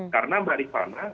karena dari sana